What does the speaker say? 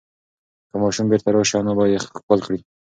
که ماشوم بیرته راشي، انا به یې ښکل کړي.